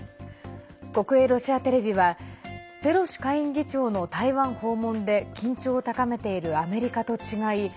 国営ロシアテレビはペロシ下院議長の台湾訪問で緊張を高めているアメリカと違い